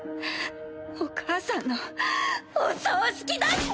お母さんのお葬式だって！